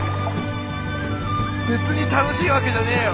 別に楽しいわけじゃねえよ。